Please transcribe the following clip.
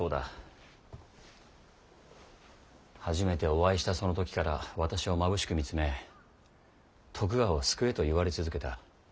初めてお会いしたその時から私をまぶしく見つめ「徳川を救え」と言われ続けた。